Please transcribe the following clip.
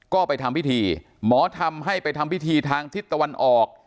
ก็ไปทำพิธีหมอทำให้ไปทำพิธีทางทิศตะวันออก